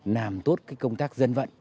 làm tốt công tác dân vận